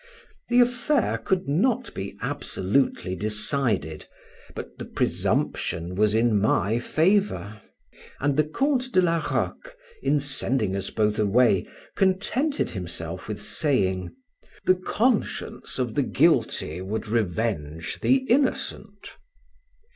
The affair could not be absolutely decided, but the presumption was in my favor; and the Count de la Roque, in sending us both away, contented himself with saying, "The conscience of the guilty would revenge the innocent."